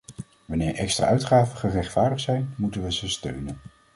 Wanneer extra uitgaven gerechtvaardigd zijn, moeten we ze steunen.